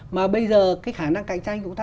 mà bây giờ cái khả năng cạnh tranh của chúng ta